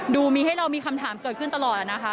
ดูมีให้เรามีคำถามเกิดขึ้นตลอดนะคะ